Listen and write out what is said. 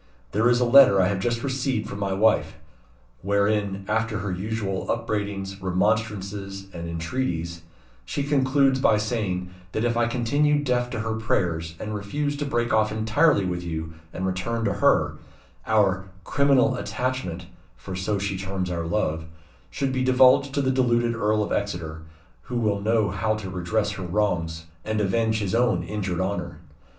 There is a letter I have just received from my wife; wherein, after her usual upbraidings, remonstrances, and entreaties, she concludes by saying, that if I continue deaf to her prayers, and refuse to break off entirely with you, and return to her, our 'criminal attachment,' for so she terms our love should be divulged to the deluded Earl of Exeter, who will know how to redress her wrongs, and avenge his own injured honour.